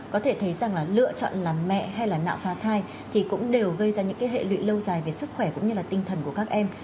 có thể thấy rằng là lựa chọn làm mẹ hay là nạo phá thai thì cũng đều gây ra những cái hệ lụy lâu dài về sức khỏe cũng như là tinh thần của các em